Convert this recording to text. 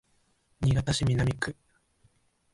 新潟市南区